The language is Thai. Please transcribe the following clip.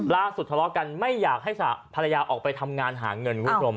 ล่าสุดทะเลาะกันไม่อยากให้ภรรยาออกไปทำงานหาเงิน